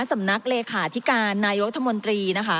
สำนักเลขาธิการนายรกธรรมนตรี